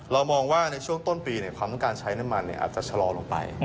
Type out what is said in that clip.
มองว่าในช่วงต้นปีความต้องการใช้น้ำมันอาจจะชะลอลงไป